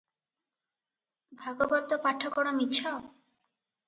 ଭାଗବତ ପାଠ କଣ ମିଛ?